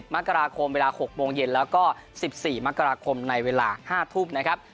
มกราคมเวลา๖โมงเย็นแล้วก็๑๔มกราคมในเวลา๕ทุ่มนะครับ